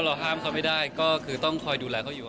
ห้ามเขาไม่ได้ก็คือต้องคอยดูแลเขาอยู่